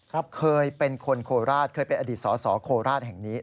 ครับเคยเป็นคนโคราชเคยเป็นอดีตสอสอโคราชแห่งนี้